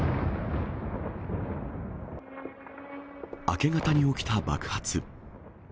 明け方に起きた爆発。